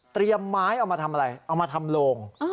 ไม้เอามาทำอะไรเอามาทำโลง